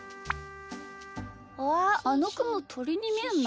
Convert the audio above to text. ああのくもとりにみえるな。